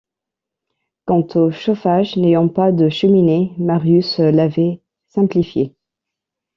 Quant au chauffage, n’ayant pas de cheminée, Marius l’avait « simplifié ».